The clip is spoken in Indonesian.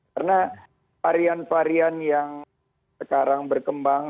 karena varian varian yang sekarang berkembang